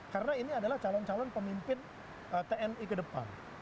karena ini adalah calon calon pemimpin tni ke depan